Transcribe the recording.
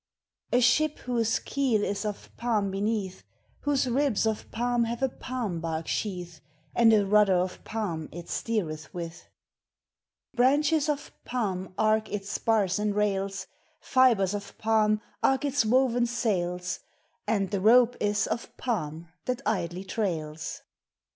A ship whose keel is of palm beneath, Whose ribs of palm have a palm bark sheath, And a rudder of palm it steeretb with. Branches of palm arc its spars and rails, Fibres of palm arc its woven Bails, And the rope is of palm thai Ldlj trails!